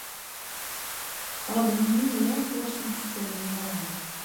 Ṛeggmem-iyi ur ten-tettadum ara.